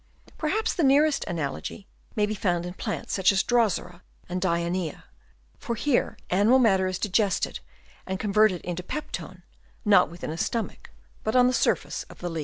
Perhaps the nearest analogy may be found in such plants as Drosera and Dionsea ; for here animal matter is digested and con verted into peptone not within a stomach, but on the surfaces of the leaves.